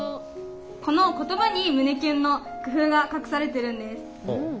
この言葉に胸キュンの工夫が隠されてるんです。